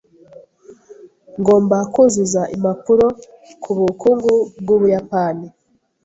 Ngomba kuzuza impapuro ku bukungu bw'Ubuyapani.